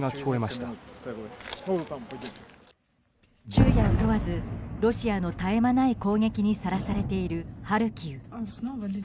昼夜を問わずロシアの絶え間ない攻撃にさらされているハルキウ。